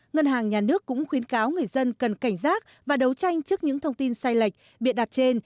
ngân hàng nhà nước cũng khuyến cáo người dân cần cảnh giác và đấu tranh trước những thông tin sai lệch bịa đặt trên